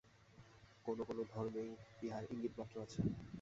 কোন কোন ধর্মে ইহার ইঙ্গিত-মাত্র আছে।